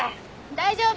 大丈夫。